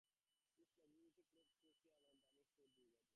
This flexibility proved crucial to the demise of circuit riding.